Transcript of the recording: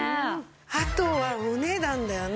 あとはお値段だよね。